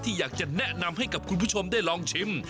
อยากจะแนะนำให้กับคุณผู้ชมได้ลองชิม